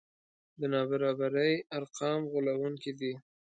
د نابرابرۍ ارقام غولوونکي دي.